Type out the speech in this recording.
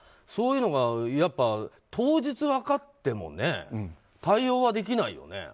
そういうのが当日分かっても対応はできないよね。